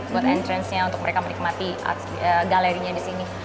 buat entrance nya untuk mereka menikmati art galerinya disini